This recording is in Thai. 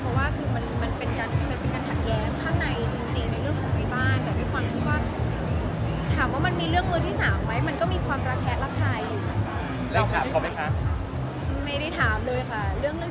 คุณค่ะคุณค่ะคุณค่ะคุณค่ะคุณค่ะคุณค่ะคุณค่ะคุณค่ะคุณค่ะคุณค่ะคุณค่ะคุณค่ะคุณค่ะคุณค่ะคุณค่ะคุณค่ะคุณค่ะคุณค่ะคุณค่ะคุณค่ะคุณค่ะคุณค่ะคุณค่ะคุณค่ะคุณค่ะคุณค่ะคุณค่ะคุณค่ะคุณค่ะคุณค่ะคุณค่ะคุณค